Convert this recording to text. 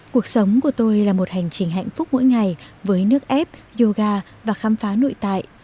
cuộc sống của tôi là một hành trình hạnh phúc mỗi ngày với nước ép yoga và khám phá nội tại